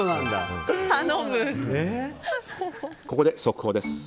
ここで速報です。